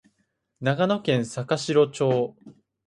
長野県坂城町